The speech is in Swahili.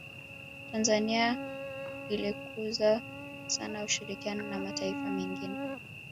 tanzania ilikuza sana ushirikiano na mataifa mengine